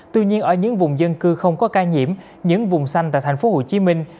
tuy nhiên ở những vùng dân cư không có ca nhiễm những vùng xanh tại thành phố hồ chí minh